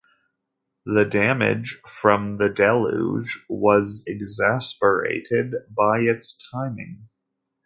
The damage from the deluge was exacerbated by its timing.